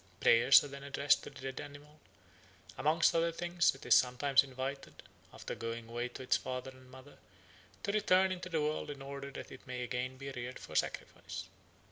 Prayers are then addressed to the dead animal; amongst other things it is sometimes invited, after going away to its father and mother, to return into the world in order that it may again be reared for sacrifice.